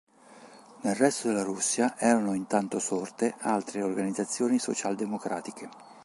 Nel resto della Russia erano intanto sorte altre organizzazioni socialdemocratiche.